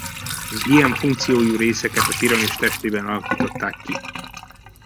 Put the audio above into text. Az ilyen funkciójú részeket a piramis testében alakították ki.